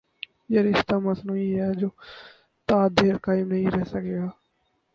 یہ رشتہ مصنوعی ہے جو تا دیر قائم نہیں رہ سکے گا۔